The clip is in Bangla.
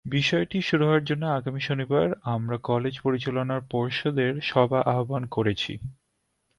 বিষয়টি সুরাহার জন্য আগামী শনিবার আমরা কলেজ পরিচালনা পর্ষদের সভা আহ্বান করেছি।